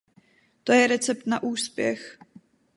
To je recept na úspěch.